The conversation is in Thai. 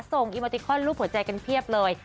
อีโมติคอนรูปหัวใจกันเพียบเลย